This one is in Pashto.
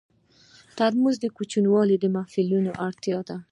ترموز د کوچنیو محفلونو اړتیا ده.